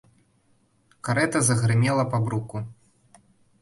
Карэта загрымела па бруку.